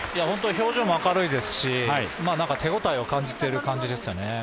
表情も明るいですし、手応えも感じている表情でしたね。